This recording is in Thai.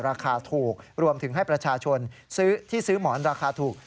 ราคาถูกรวมถึงให้ประชาชนซื้อที่ซื้อหมอนราคาถูก